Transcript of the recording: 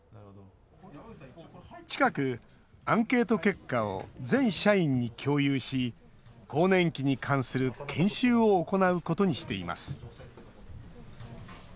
近く、アンケート結果を全社員に共有し更年期に関する研修を行うことにしています